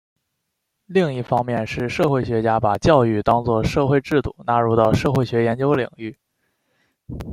另一方是社会学家把教育当作社会制度纳入到社会学研究领域。